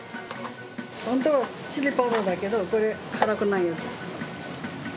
本当はチリパウダーだけど、これ、辛くないやつ。